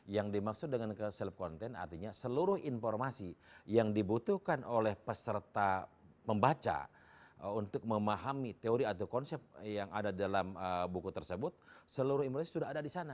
yang dimaksud dengan self content artinya seluruh informasi yang dibutuhkan oleh peserta membaca untuk memahami teori atau konsep yang ada dalam buku tersebut seluruh indonesia sudah ada di sana